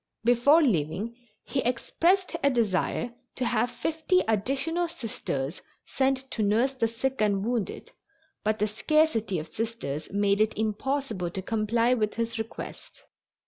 Before leaving he expressed a desire to have fifty additional Sisters sent to nurse the sick and wounded, but the scarcity of Sisters made it impossible to comply with his request.